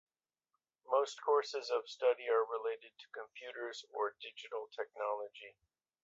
Most courses of study are related to computers or digital technology.